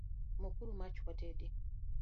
Mok uru mach watedi